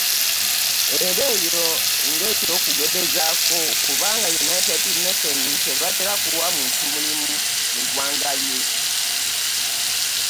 Era eyo nga eky'okugezerezaako, kubanga United Nations tebatera kuwa muntu mulimu mu ggwanga lye.